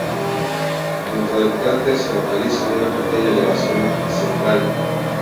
Dentro del cráter se localiza una pequeña elevación central.